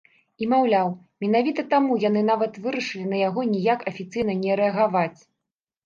І, маўляў, менавіта таму яны нават вырашылі на яго ніяк афіцыйна не рэагаваць.